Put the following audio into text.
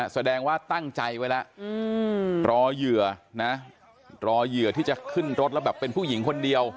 แสดงว่าตั้งใจไว้แล้วรอเหยื่อนะรอเหยื่อที่จะขึ้นรถแล้วแบบเป็นผู้หญิงคนเดียว